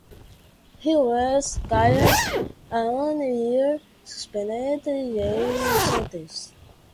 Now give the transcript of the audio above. He was given a one-year suspended jail sentence.